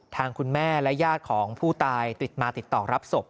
ทางคุณแม่และญาติของผู้ตายติดมาติดต่อรับศพ